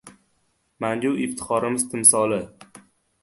Mangu iftixorimiz timsoli